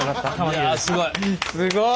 いやすごい。